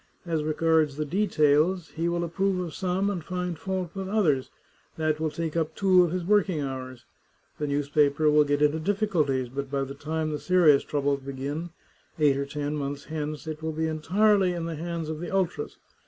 As regards the details, he will approve of some and find fault with others; that will take up two of his working hours. The newspaper will get into difficulties, but by the time the serious troubles begin, eight or ten months hence, it will be entirely in the hands of the ultras.